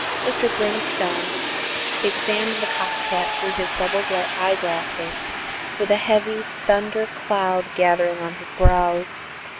Dr. Grimstone examined the cocked hat through his double eyeglasses, with a heavy thunder cloud gathering on his brows.